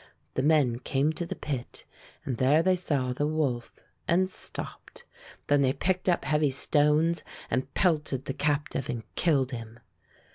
The men came to the pit, and there they saw the wolf and stopped. Then they picked up heavy stones and pelted the captive and killed him.